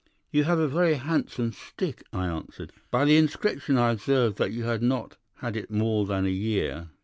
"'You have a very handsome stick,' I answered. 'By the inscription I observed that you had not had it more than a year.